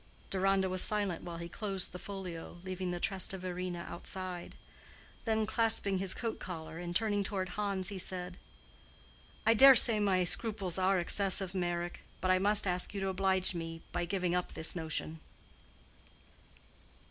Deronda was silent while he closed the folio, leaving the Trasteverina outside. Then clasping his coat collar, and turning toward Hans, he said, "I dare say my scruples are excessive, Meyrick, but I must ask you to oblige me by giving up this notion."